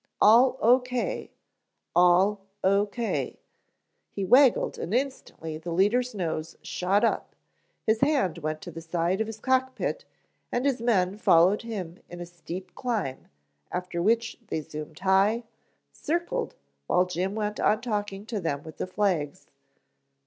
"All O.K.; All O.K.;" he waggled and instantly the leader's nose shot up, his hand went to the side of his cock pit and his men followed him in a steep climb, after which they zoomed high, circled, while Jim went on talking to them with the flags.